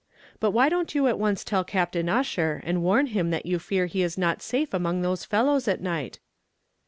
But why don't you at once tell Captain Ussher, and warn him that you fear he is not safe among those fellows at night."